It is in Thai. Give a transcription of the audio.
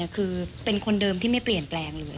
คือเป็นคนเดิมที่ไม่เปลี่ยนแปลงเลย